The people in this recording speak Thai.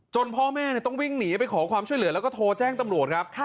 พ่อแม่ต้องวิ่งหนีไปขอความช่วยเหลือแล้วก็โทรแจ้งตำรวจครับ